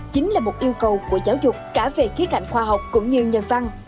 chính là một yêu cầu của giáo dục cả về khía cạnh khoa học cũng như nhân văn